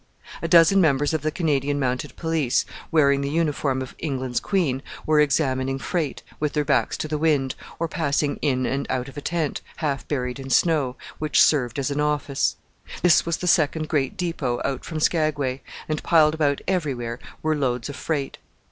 A dozen members of the Canadian Mounted Police, wearing the uniform of England's Queen, were examining freight, with their backs to the wind, or passing in and out of a tent, half buried in snow, which served as an office. This was the second great depot out from Skagway, and piled about everywhere were loads of freight.